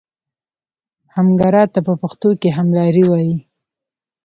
همګرا ته په پښتو کې هملاری وایي.